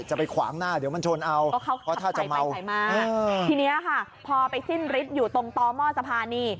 จะไปขวางหน้าเดี๋ยวมันชนเอาเพราะถ้าจะเมาทีนี้ค่ะพอไปสิ้นฤทธิ์อยู่ตรงต่อหม้อสะพานนี่